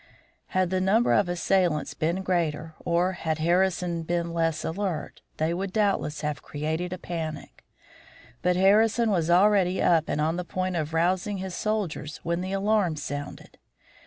Had the number of assailants been greater, or had Harrison been less alert, they would doubtless have created a panic. But Harrison was already up and on the point of rousing his soldiers when the alarm sounded.